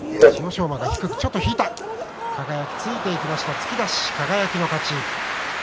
突き出し、輝の勝ち。